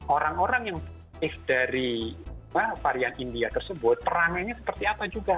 orang orang yang positif dari varian india tersebut perangannya seperti apa juga